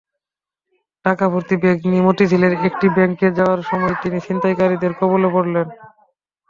টাকাভর্তি bag নিয়ে মতিঝিলের একটি ব্যাংকে যাওয়ার সময় তিনি ছিনতাইকারীদের কবলে পড়েন।